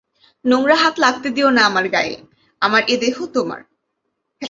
নোংরা হাত লাগতে দিয়ো না আমার গায়ে, আমার এ দেহ তোমার।